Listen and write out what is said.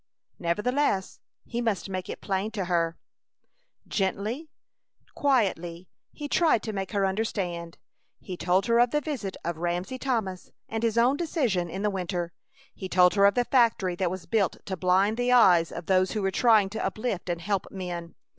Nevertheless, he must make it plain to her. Gently, quietly, he tried to make her understand. He told her of the visit of Ramsey Thomas and his own decision in the winter. He told her of the factory that was built to blind the eyes of those who were trying to uplift and help men.